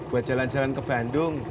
buat jalan jalan ke bandung